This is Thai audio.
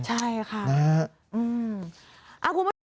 ใช่ค่ะ